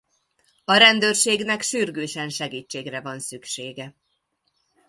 A rendőrségnek sürgősen segítségre van szüksége.